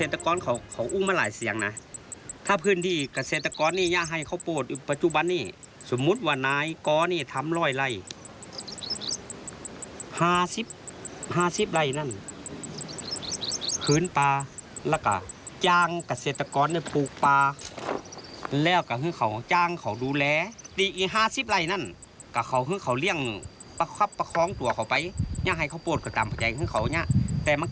แต่มันก็จะได้ป่าคืนมาครึ่งหนึ่งอย่างนี้เท่า